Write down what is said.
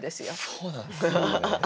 そうなんですよ。